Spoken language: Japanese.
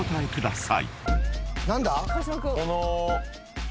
何だ？